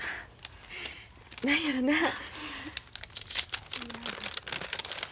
何やろな。